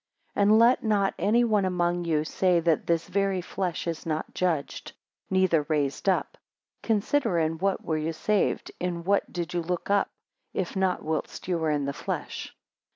AND let not any one among you say, that this very flesh is not judged, neither raised up. Consider, in what were you saved in what did you look up, if not whilst you were in the flesh?